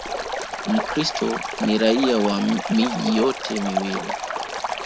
Mkristo ni raia wa miji yote miwili.